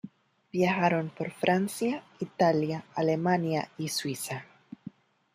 Viajaron por Francia, Italia, Alemania y Suiza.